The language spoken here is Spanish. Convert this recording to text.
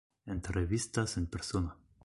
Entrevistas en persona.